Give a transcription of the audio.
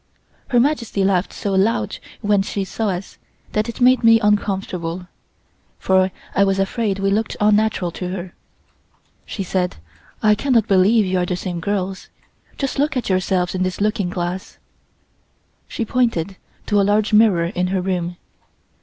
Her Majesty laughed so loud when she saw us that it made me uncomfortable, for I was afraid we looked unnatural to her. She said: "I cannot believe you are the same girls. Just look at yourselves in this looking glass." She pointed to a large mirror in her room.